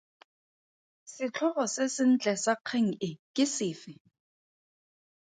Setlhogo se sentle sa kgang e ke sefe?